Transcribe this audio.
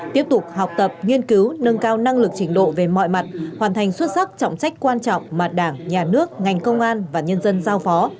tiếp tục học tập nghiên cứu nâng cao năng lực trình độ về mọi mặt hoàn thành xuất sắc trọng trách quan trọng mà đảng nhà nước ngành công an và nhân dân giao phó